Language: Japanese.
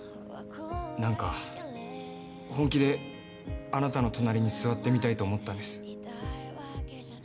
なんか本気であなたの隣に座ってみたいと思ったんです。